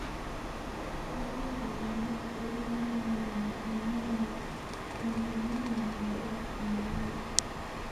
halyet ab emet kowendi ngweny amu makomi ngomnatet eng' emet